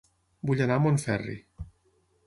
Vull anar a Montferri